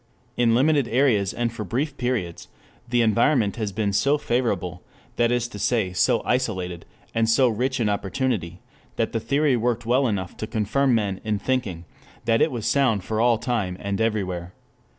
In limited areas and for brief periods the environment has been so favorable, that is to say so isolated, and so rich in opportunity, that the theory worked well enough to confirm men in thinking that it was sound for all time and everywhere.